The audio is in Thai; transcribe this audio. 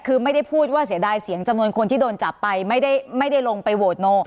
คือไม่ได้พูดว่าเสียดายเสียงจำนวนคนที่โดนจับไปไม่ได้ลงไปโหวตโน